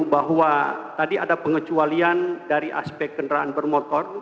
bahwa tadi ada pengecualian dari aspek kendaraan bermotor